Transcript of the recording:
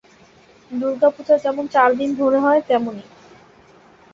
দুর্গাপূজা যেমন চার দিন ধরে হয়, তেমনি।